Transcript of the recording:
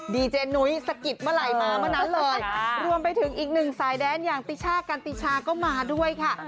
เจนุ้ยสะกิดเมื่อไหร่มาเมื่อนั้นเลยรวมไปถึงอีกหนึ่งสายแดนอย่างติช่ากันติชาก็มาด้วยค่ะ